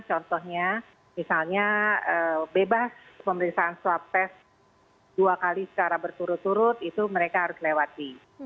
contohnya misalnya bebas pemeriksaan swab test dua kali secara berturut turut itu mereka harus lewati